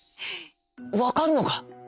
「わかるのか！？」。